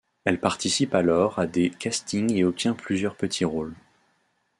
Elle participe alors à des castings et obtient plusieurs petits rôles.